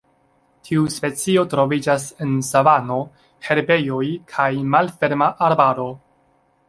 Tiu specio troviĝas en savano, herbejoj kaj malferma arbaro.